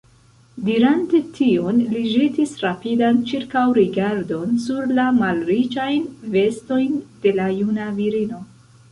Dirante tion, li ĵetis rapidan ĉirkaŭrigardon sur la malriĉajn vestojn de la juna virino.